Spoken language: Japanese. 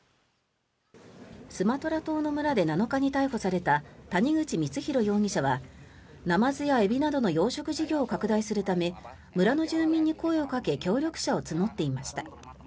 スマトラ島の村で７日に逮捕された谷口光弘容疑者はナマズやエビなどの養殖事業を拡大するため村の住民に声をかけ協力者を募っていました。